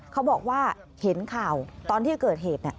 เขาบอกว่าเห็นข่าวตอนที่เกิดเหตุ